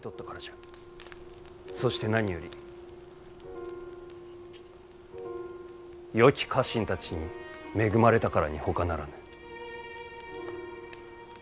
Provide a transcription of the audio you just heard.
そして何よりよき家臣たちに恵まれたからにほかならぬ。